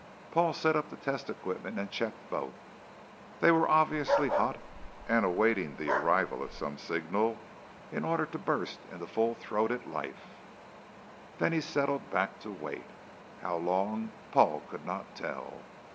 Paul set up the test equipment and checked both. They were obviously 'hot' and awaiting the arrival of some signal in order to burst into full throated life. Then he settled back to wait. How long, Paul could not tell.